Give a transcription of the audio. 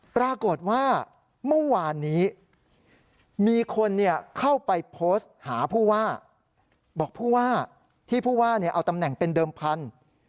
ปรากฏว่าเมื่อวานนี้มีคนเข้าไปโพสต์หาผู้ว่าบอกผู้ว่าที่ผู้ว่าเอาตำแหน่งเป็นเดิมพันธุ์